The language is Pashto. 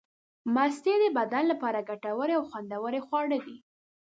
مستې د بدن لپاره ګټورې او خوندورې خواړه دي.